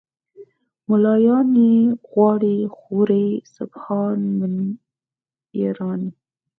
"ملایان یې غواړي خوري سبحان من یرانی".